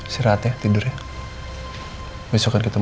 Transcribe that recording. jangan bagi kesakitan